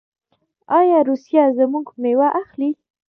آیا روسیه زموږ میوه اخلي؟